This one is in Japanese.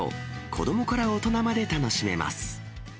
子どもから大人まで楽しめます。